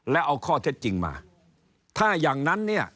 แล้วเอาข้อเท็จจริงมาถ้าอย่างนั้นเนี่ย